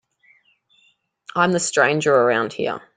I'm the stranger around here.